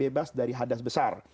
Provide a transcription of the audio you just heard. terbebas dari hadas besar